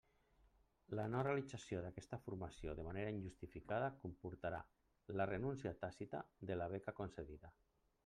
La no realització d'aquesta formació de manera injustificada comportarà la renúncia tàcita de la beca concedida.